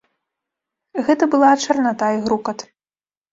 Гэта была чарната і грукат.